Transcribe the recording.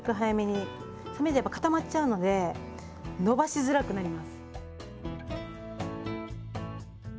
冷めると固まっちゃうので伸ばしづらくなります。